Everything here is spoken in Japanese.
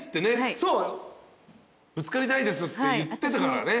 ぶつかりたいですって言ってたからね。